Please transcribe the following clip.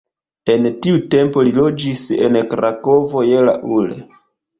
En tiu tempo li loĝis en Krakovo je la ul.